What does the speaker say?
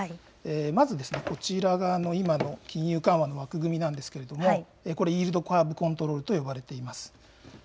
まずこちらが金融緩和の枠組みなんけれどもイールドカーブ・コントロールと呼ばれています。